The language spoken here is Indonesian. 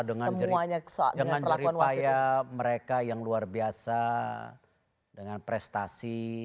dengan jari payah mereka yang luar biasa dengan prestasi